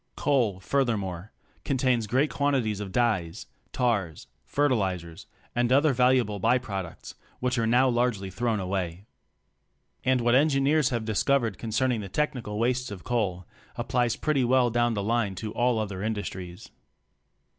Coal, furthermore, contains great quantities of dyes, tars, fertilizers and other valuable by products, which are now largely thrown away. And what engineers have discovered concerning the tech nical wastes of coal applies pretty well down the line to all other industries.